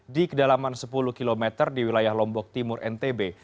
di kedalaman sepuluh km di wilayah lombok timur ntb